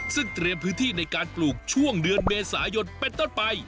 ซึ่งเตรียมพื้นที่ในการปลูกช่วงเดือนเมษายนเป็นต้นไป